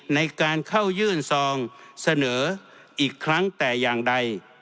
ในการเข้ายื่นซองเสนออีกครั้งแต่อย่างใด